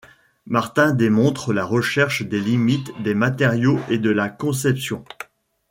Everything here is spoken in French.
Martin démontre la recherche des limites des matériaux et de la conception.